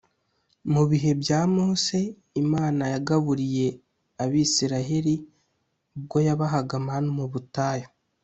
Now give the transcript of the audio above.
mu bihe bya mose, imana yagaburiye abisiraheri ubwo yabahaga manu mu butayu;